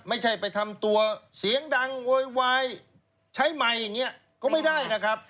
ไม่ใช่ไปทำตัวเสียงดังโวยวายใช้ไมค์อย่างนี้ก็ไม่ได้นะครับ